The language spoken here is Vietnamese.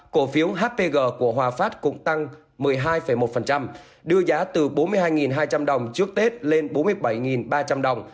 cổ phiếu hpg của hòa phát cũng tăng một mươi hai một đưa giá từ bốn mươi hai hai trăm linh đồng trước tết lên bốn mươi bảy ba trăm linh đồng